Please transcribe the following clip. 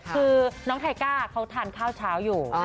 คือน้องไทก้าเขาทานข้าวเช้าอยู่